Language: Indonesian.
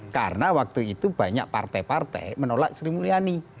karena waktu itu banyak partai partai menolak sri mulyani